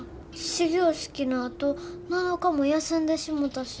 始業式のあと７日も休んでしもたし。